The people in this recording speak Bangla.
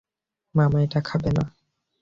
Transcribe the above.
মমা এটা খাবে না।